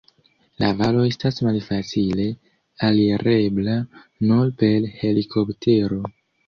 La valo estas malfacile alirebla, nur per helikoptero.